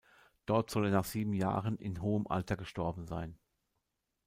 Dort soll er nach sieben Jahren in hohem Alter gestorben sein.